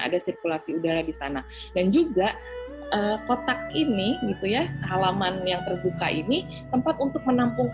ada sirkulasi udara di sana dan juga kotak ini gitu ya halaman yang terbuka ini tempat untuk menampung